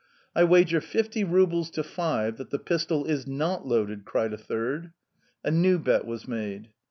"I wager fifty rubles to five that the pistol is not loaded!" cried a third. A new bet was made.